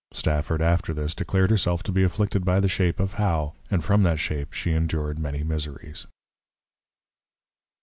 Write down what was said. Stafford, after this, declared herself to be afflicted by the Shape of How; and from that Shape she endured many Miseries.